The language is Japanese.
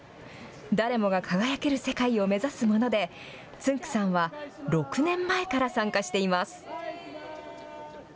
誰もが輝ける世界を目指すものでつんく♂さんは６年前から参加しています。